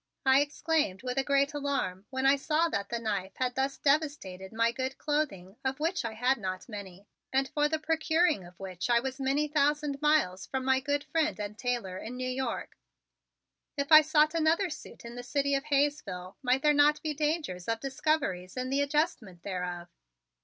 I exclaimed with a great alarm when I saw that that knife had thus devastated my good clothing of which I had not many and for the procuring of which I was many thousand miles from my good friend and tailor in New York. If I sought another suit in the city of Hayesville might there not be dangers of discoveries in the adjustment thereof?